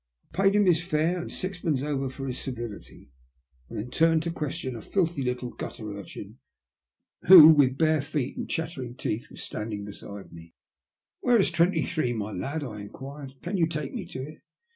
I paid him his fare and sixpence over for his civility, and then turned to question a filthy little . gutter urchin, who, with bare feet and chattering teeth, was stcmding beside me. " ^Vhere is 23, my lad ?" I inquired. " Can you take me to it?"